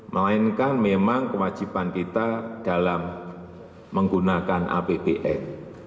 melainkan memang kewajiban kita dalam menggunakan apbn